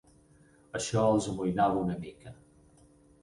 Això els amoïnava una mica